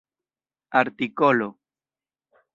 artikolo